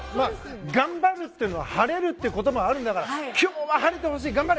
頑張るということは晴れるということもあるんだから今日は晴れてほしい、頑張れ！